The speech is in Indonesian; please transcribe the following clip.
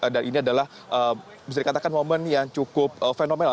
dan ini adalah bisa dikatakan momen yang cukup fenomenal